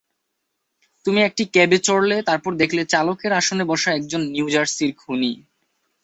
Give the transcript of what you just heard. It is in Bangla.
তুমি একটি ক্যাবে চড়লে, তারপর দেখলে চালকের আসনে বসা একজন নিউ জার্সির খুনি।